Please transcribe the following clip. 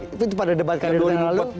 itu pada debat kami di bulan lalu